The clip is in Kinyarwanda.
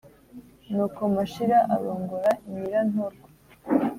nuko mashira arongora nyirantorwa,